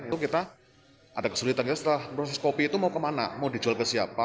itu kita ada kesulitan setelah proses kopi itu mau kemana mau dijual ke siapa